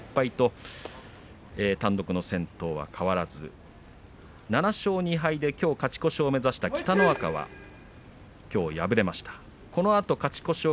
９勝１敗と単独の先頭は変わらず７勝２敗できょう勝ち越しを目指した北の若はきょう敗れました。